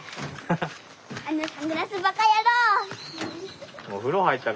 あのサングラスバカ野郎！